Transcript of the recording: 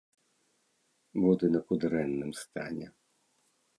Будынак у дрэнным стане.